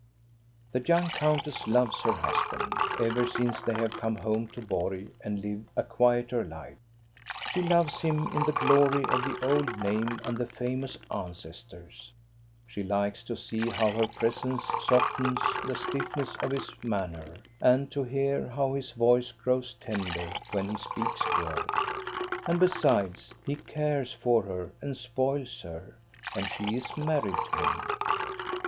The young countess loves her husband, ever since they have come home to Borg and live a quieter life. She loves in him the glory of the old name and the famous ancestors. She likes to see how her presence softens the stiffness of his manner, and to hear how his voice grows tender when he speaks to her. And besides, he cares for her and spoils her, and she is married to him.